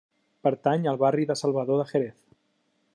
Pertany al barri del Salvador de Jerez.